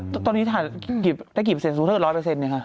แล้วตอนนี้ถ่ายได้กี่เปอร์เซ็นต์สูงเท่าไหร่๑๐๐เปอร์เซ็นต์อย่างนี้ค่ะ